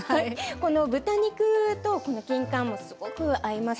この豚肉とこのきんかんもすごく合います。